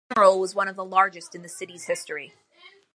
His funeral was one of the largest in the city's history.